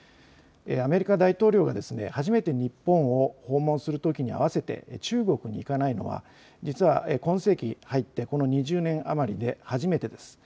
アメリカ大統領が初めて日本を訪問するときに合わせて中国に行かないのは実は今世紀に入ってこの２０年余りで初めてです。